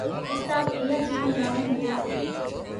ايتا پيئا ڪيو لاو ڀلا